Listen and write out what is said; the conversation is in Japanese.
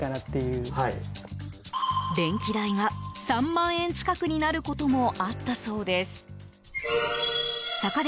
電気代が、３万円近くになることもあったそうです。